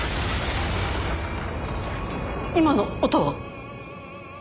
今の音は？